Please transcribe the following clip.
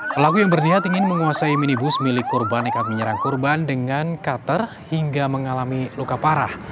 pelaku yang berniat ingin menguasai minibus milik korban nekat menyerang korban dengan kater hingga mengalami luka parah